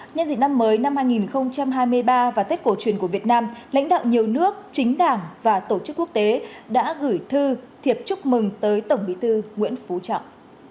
nhân dịp năm mới năm hai nghìn hai mươi ba và tết cổ truyền của việt nam lãnh đạo nhiều nước chính đảng và tổ chức quốc tế đã gửi thư thiệp chúc mừng tới tổng bí thư nguyễn phú trọng